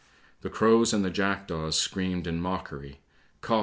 The crows and the jack daws screamed in mockery, Caw!